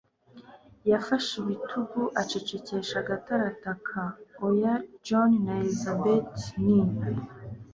Yafashe ibitugu, acecekesha gato arataka, Oya, John na Elisabeth ni.